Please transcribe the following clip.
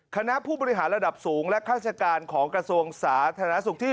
คณะผู้บริหารระดับสูงและข้าราชการของกระทรวงสาธารณสุขที่